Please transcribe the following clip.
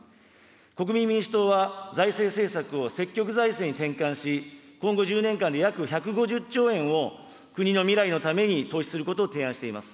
国民民主党は、財政政策を積極財政に転換し、今後１０年間で約１５０兆円を、国の未来のために投資することを提案しています。